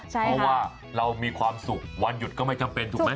เพราะว่าเรามีความสุขวันหยุดก็ไม่จำเป็นถูกไหม